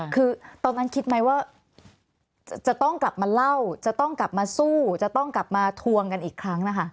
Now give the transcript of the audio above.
คือตอนนั้นคิดไหมว่าจะต้องกลับมาเล่าจะต้องกลับมาสู้จะต้องกลับมาทวงกันอีกครั้งนะคะ